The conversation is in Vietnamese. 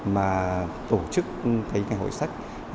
mà tổ chức ngày hội sách